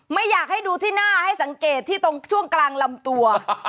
ไม่อยากให้ดูที่หน้าให้สังเกตที่ตรงช่วงกลางลำตัว